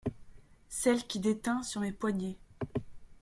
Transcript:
Celle qui déteint sur mes poignets.